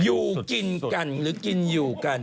อยู่กินกันหรือกินอยู่กัน